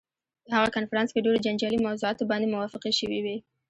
په هغه کنفرانس کې ډېرو جنجالي موضوعاتو باندې موافقې شوې وې.